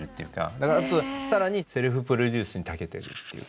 だからあと更にセルフプロデュースにたけてるっていうか。